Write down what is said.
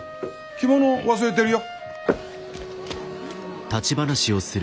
着物忘れてるよ。